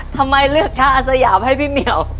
ทำไมเลือกท่าอาสยามให้พี่เหมียว